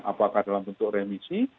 apakah dalam bentuk remisi